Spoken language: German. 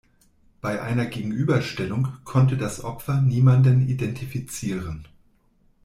Bei einer Gegenüberstellung konnte das Opfer niemanden identifizieren.